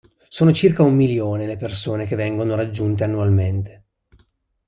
Sono circa un milione le persone che vengono raggiunte annualmente.